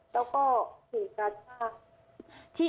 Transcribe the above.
แล้วก็สีกาจ้า